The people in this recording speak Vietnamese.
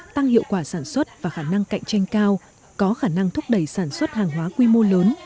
tăng hiệu quả sản xuất và khả năng cạnh tranh cao có khả năng thúc đẩy sản xuất hàng hóa quy mô lớn